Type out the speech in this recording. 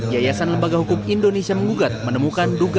yayasan lembaga hukum indonesia mengugat menemukan dugaan